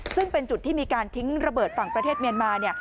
ซึ่งเป็นจุดที่มีการทิ้งระเบิดฝั่งประเทศเมียนมาเนี่ย